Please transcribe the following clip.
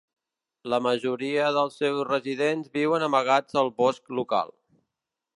La majoria dels seus residents viuen amagats al bosc local.